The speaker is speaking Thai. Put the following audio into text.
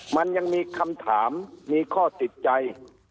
มันยังมีคำถามมีข้อติดใจ